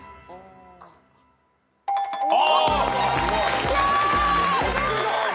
あ。